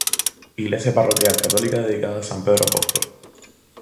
Iglesia parroquial católica dedicada a San Pedro Apóstol.